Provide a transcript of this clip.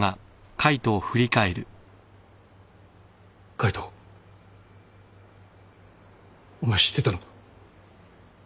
海斗お前知ってたのか？